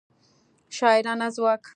شاعرانه ځواک